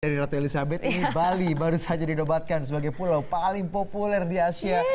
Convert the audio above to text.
dari ratu elizabeth ini bali baru saja dinobatkan sebagai pulau paling populer di asia